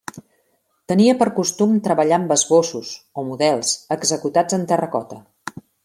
Tenia per costum treballar amb esbossos, o models, executats en terracota.